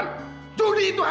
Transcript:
betul tuh pak